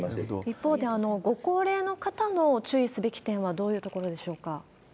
一方で、ご高齢の方の注意すべき点は、どういうところでしょうか。